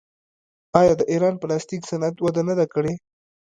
آیا د ایران پلاستیک صنعت وده نه ده کړې؟